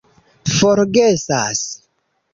forgesas